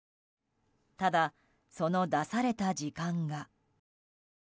ただ、その出された時間が。